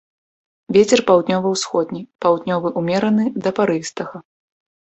Вецер паўднёва-ўсходні, паўднёвы ўмераны да парывістага.